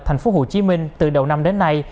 tp hcm từ đầu năm đến nay